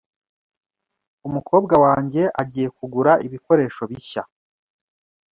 Umukobwa wanjye agiye kugura ibikoresho bishya .